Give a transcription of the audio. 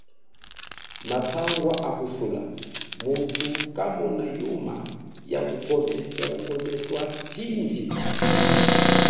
Matangwa akusula mutu kamona yuma ya kukomwesa chindji.